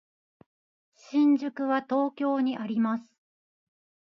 新宿は東京にあります。